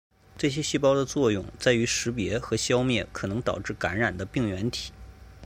这些细胞的作用在于识别和消灭可能导致感染的病原体。